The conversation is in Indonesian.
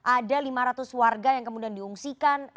ada lima ratus warga yang kemudian diungsikan